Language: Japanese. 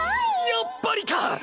やっぱりか！